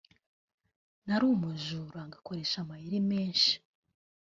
nari umujura nkanakoresha amayeri menshi